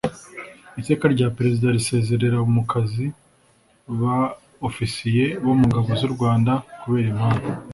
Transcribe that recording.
iteka rya perezida risezerera mu kazi ba ofisiye bo mu ngabo z u rwanda kubera impamvu